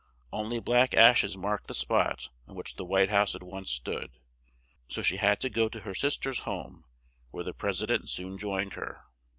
On ly black ash es marked the spot on which the White House had once stood, so she had to go to her sis ter's home, where the Pres i dent soon joined her.